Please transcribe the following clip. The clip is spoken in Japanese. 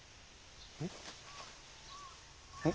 えっ？